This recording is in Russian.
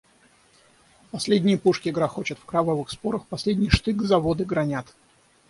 Последние пушки грохочут в кровавых спорах, последний штык заводы гранят.